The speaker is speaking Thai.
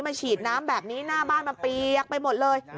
ฉีดน้ำแบบนี้หน้าบ้านมันเปียกไปหมดเลย